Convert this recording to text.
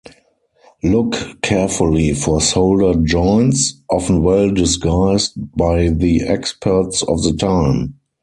Look carefully for soldered joints, often well-disguised by the experts of the time.